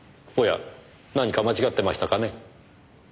おや何か間違ってましたかね？